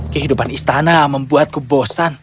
kehidupan istana membuatku bosan